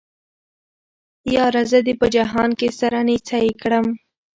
ياره زه دې په جهان کې سره نيڅۍ کړم